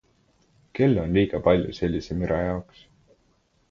Kell on liiga palju sellise müra jaoks.